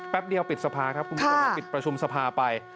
เดียวปิดสภาครับคุณผู้ชมปิดประชุมสภาไป